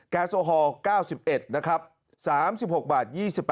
แล้วเป็นยังอยู่ที่